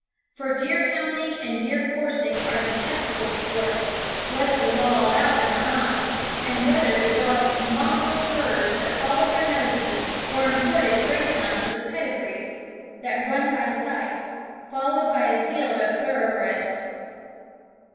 For deer hounding and deer coursing are detestable sports, whether the law allow them or not, and whether the dogs be mongrel curs that follow their noses or imported greyhounds with a pedigree that run by sight, followed by a field of thoroughbreds.